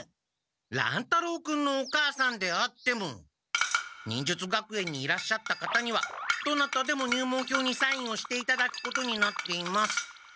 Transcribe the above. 乱太郎君のお母さんであっても忍術学園にいらっしゃった方にはどなたでも入門票にサインをしていただくことになっています。